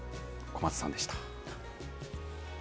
小松さんでした。